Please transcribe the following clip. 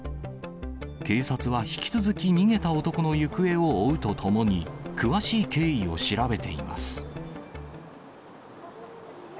警察は引き続き逃げた男の行方を追うとともに、詳しい経緯を調べています。